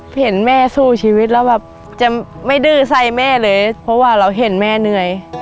เห็นแม่สู้ชีวิตแล้วแบบจะไม่ดื้อใส่แม่เลยเพราะว่าเราเห็นแม่เหนื่อย